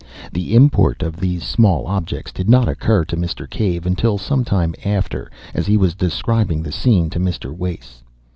The import of these small objects did not occur to Mr. Cave until some time after, as he was describing the scene to Mr. Wace.